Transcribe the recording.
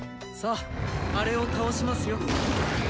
さああれを倒しますよ。